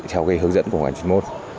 theo hướng dẫn của hoàn chính môn